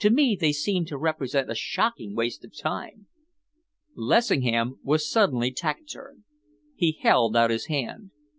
To me they seem to represent a shocking waste of time." Lessingham was suddenly taciturn. He held out his hand.